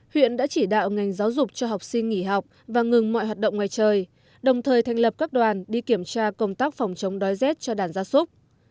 huyện đã chỉ đạo ngành giáo dục cho học sinh nghỉ học và ngừng mọi hoạt động ngoài trời đồng thời thành lập các đoàn đi kiểm tra công tác phòng chống đói rét cho đàn gia súc